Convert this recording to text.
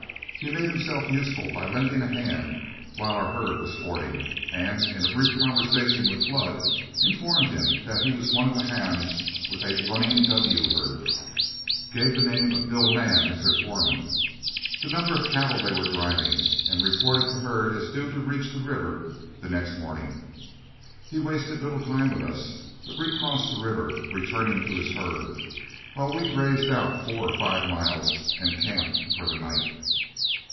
He made himself useful by lending a hand while our herd was fording, and in a brief conversation with Flood, informed him that he was one of the hands with a "Running W" herd, gave the name of Bill Mann as their foreman, the number of cattle they were driving, and reported the herd as due to reach the river the next morning. He wasted little time with us, but recrossed the river, returning to his herd, while we grazed out four or five miles and camped for the night.